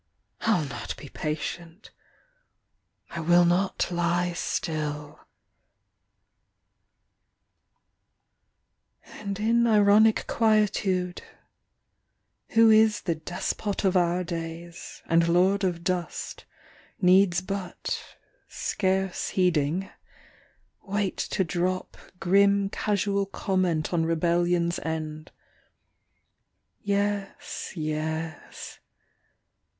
I ll not be patient. I will not lie still. < I j>> 1^ , .;.y\j^ And in ironic quietude who is ^ The despot of our days and lord of dust Needs but, scarce heeding, wait to drop Grim casual comment on rebellion s end; "Yes, yes.